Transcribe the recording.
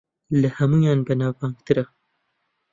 لە ھەموویان بەناوبانگترە